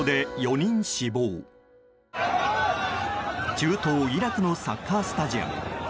中東イラクのサッカースタジアム。